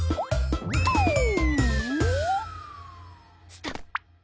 スタッ！